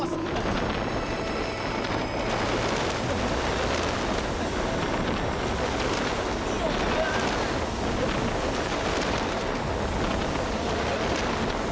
dia sudah mengkhianati aku